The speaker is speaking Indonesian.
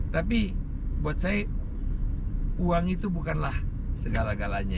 tapi buat saya uang itu bukanlah segala galanya